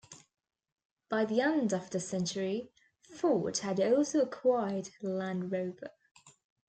By the end of the century, Ford had also acquired Land Rover.